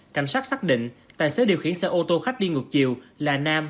cảnh sát xác định tài xế điều khiển xe ô tô khách đi ngược chiều là nam